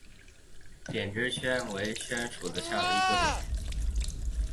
鞭枝悬藓为蔓藓科悬藓属下的一个种。